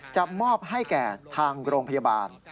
จะมอบให้แก่ทางโรงพยาบาล